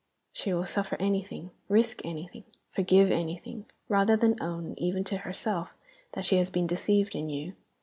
She will suffer anything, risk anything, forgive anything, rather than own, even to herself, that she has been deceived in you.